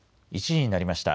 １時になりました。